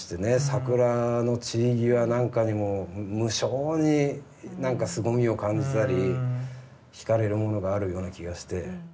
桜の散り際なんかにも無性になんかすごみを感じたりひかれるものがあるような気がして。